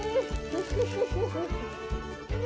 フフフフッ。